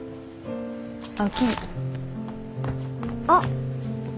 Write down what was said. あっ！